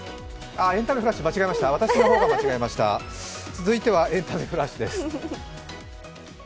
続いては「エンタメフラッシュ」です。